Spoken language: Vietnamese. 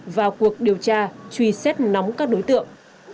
vào cuộc điều tra truy xét nóng các đối tượng